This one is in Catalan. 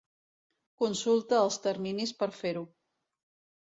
Consulta els terminis per fer-ho.